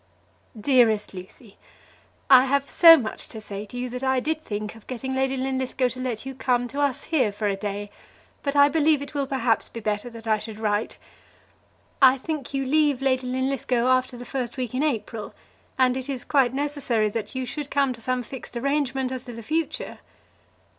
DEAREST LUCY, I have so much to say to you that I did think of getting Lady Linlithgow to let you come to us here for a day, but I believe it will perhaps be better that I should write. I think you leave Lady Linlithgow after the first week in April, and it is quite necessary that you should come to some fixed arrangement as to the future.